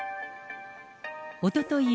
おととい